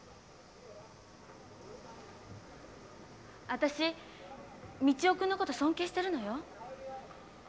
私道雄くんのこと尊敬してるのよ。